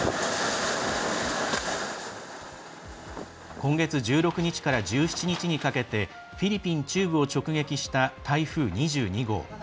今月１６日から１７日にかけてフィリピン中部を直撃した台風２２号。